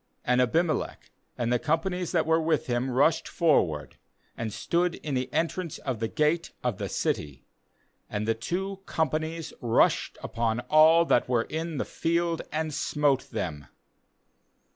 ^And Abim elech, and the companies that were with him, rushed forward, and stood in the entrance of the gate of the city; and the two companies rushed upon all that were in the field, and smote them.